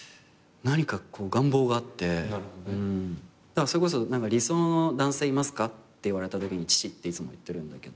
だからそれこそ「理想の男性いますか？」って言われたときに父っていつも言ってるんだけど。